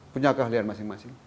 punya keahlian masing masing